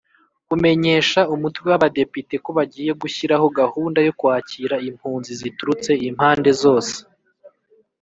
kumenyesha Umutwe w Abadepite ko bagiye gushyiraho gahunda yo kwakira impunzi ziturutse impande zose